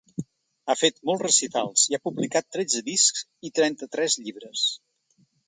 Ha fet molts recitals i ha publicat tretze discs i trenta-tres llibres.